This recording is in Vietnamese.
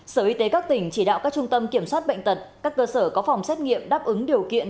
sở y tế các tỉnh chỉ đạo các trung tâm kiểm soát bệnh tật các cơ sở có phòng xét nghiệm đáp ứng điều kiện